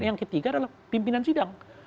yang ketiga adalah pimpinan sidang